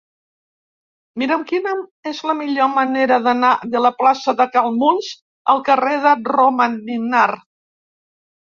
Mira'm quina és la millor manera d'anar de la plaça de Cal Muns al carrer del Romaninar.